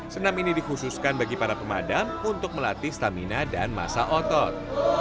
senam ini dikhususkan bagi para pemadam untuk melatih stamina dan masa otot